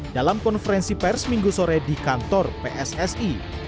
dalam konferensi pers minggu sore di kantor pssi